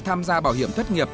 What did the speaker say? tham gia bảo hiểm thất nghiệp